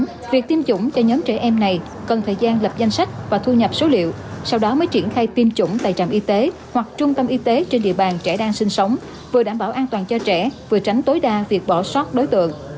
vì vậy việc tiêm chủng cho nhóm trẻ em này cần thời gian lập danh sách và thu nhập số liệu sau đó mới triển khai tiêm chủng tại trạm y tế hoặc trung tâm y tế trên địa bàn trẻ đang sinh sống vừa đảm bảo an toàn cho trẻ vừa tránh tối đa việc bỏ sót đối tượng